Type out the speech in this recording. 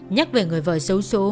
nhắc về người vợ xấu xố